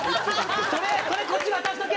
「それこっち渡しとけ！」